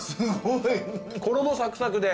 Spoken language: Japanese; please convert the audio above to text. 衣サクサクで。